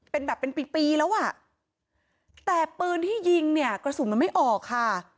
เป็นแบบเป็นปีปีแล้วอ่ะแต่ปืนที่ยิงเนี่ยกระสุนมันไม่ออกค่ะ